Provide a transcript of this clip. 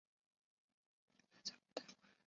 拜外部大官。